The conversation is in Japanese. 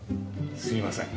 すいません。